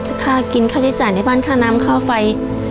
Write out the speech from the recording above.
ค่ากินค่าใช้จ่ายในบ้านค่าน้ำค่าไฟ